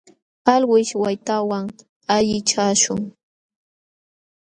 Alwish waytawan allichashun.